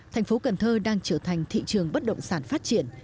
thành phố cần thơ đang trở thành thị trường bất động sản phát triển